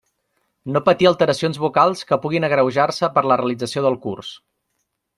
No patir alteracions vocals que puguen agreujar-se per la realització del curs.